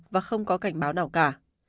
và không có cảnh báo nào cả